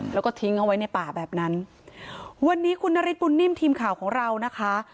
แล้วก็ทิ้งเอาไว้ในป่าแบบนั้นวันนี้คุณนฤทธบุญนิ่มทีมข่าวของเรานะคะ